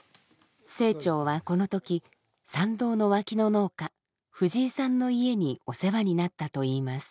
清張はこの時参道の脇の農家藤井さんの家にお世話になったといいます。